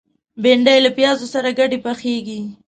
بېنډۍ له پیازو سره ګډه پخېږي